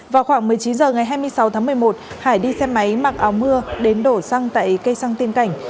vào khoảng một mươi chín h ngày hai mươi sáu tháng một mươi một hải đi xe máy mặc áo mưa đến đổ xăng tại cây xăng tiên cảnh